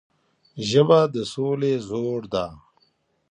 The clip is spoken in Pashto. ژبه د سولې زور ده